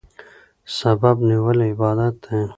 سبب نیول عبادت دی.